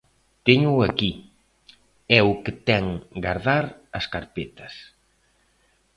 Téñoo aquí; é o que ten gardar as carpetas.